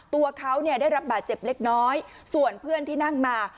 ตัวเขาเนี่ยได้รับบาดเจ็บเล็กน้อยส่วนเพื่อนที่นั่งมา